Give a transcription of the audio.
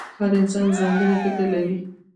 • هر انسان ځانګړی فکر لري.